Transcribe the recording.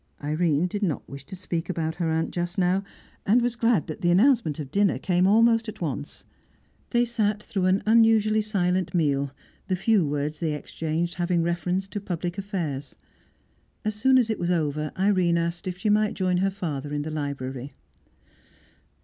Irene did not wish to speak about her aunt just now, and was glad that the announcement of dinner came almost at once. They sat through an unusually silent meal, the few words they exchanged having reference to public affairs. As soon as it was over, Irene asked if she might join her father in the library.